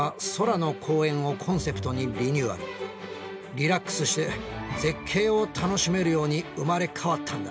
リラックスして絶景を楽しめるように生まれ変わったんだ。